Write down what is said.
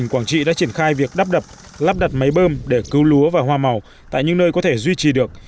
quảng trị đã triển khai việc đắp đập lắp đặt máy bơm để cứu lúa và hoa màu tại những nơi có thể duy trì được